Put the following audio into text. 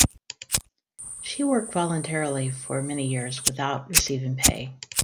She worked voluntarily for many years without receiving pay.